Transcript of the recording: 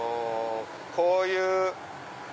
こういう。